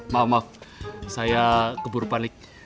maaf maaf saya keburu panik